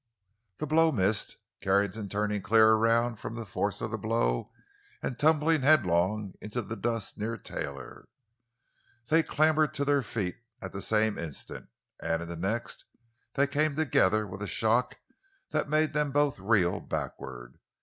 The blow missed, Carrington turning clear around from the force of the blow and tumbling headlong into the dust near Taylor. They clambered to their feet at the same instant, and in the next they came together with a shock that made them both reel backward.